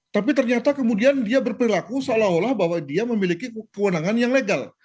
tapi ternyata kemudian dia berperilaku seolah olah bahwa dia memiliki kewenangan yang legal